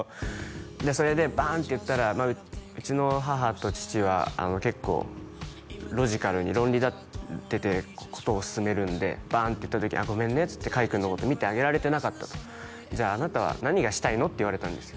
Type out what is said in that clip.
それでバンって言ったらうちの母と父は結構ロジカルに論理立てて事を進めるんでバンって言った時「ごめんね」っつって海君のこと見てあげられてなかったとじゃああなたは何がしたいの？って言われたんですよ